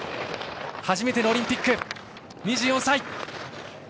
初めてのオリンピック、２４歳。